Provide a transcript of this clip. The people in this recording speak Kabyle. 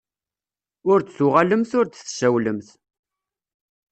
Ur d-tuɣalemt ur d-tsawlemt.